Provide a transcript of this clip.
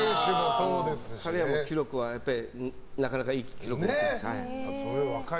彼も記録はなかなかいい記録持ってます。